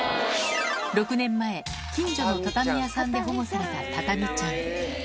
６年前、近所の畳屋さんで保護されたタタミちゃん。